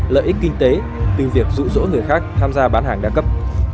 lợi ích kinh tế từ việc rụ rỗ người khác tham gia bán hàng đa cấp